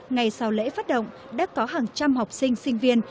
ngày sau lễ phát động đã có hàng trăm học sinh sinh viên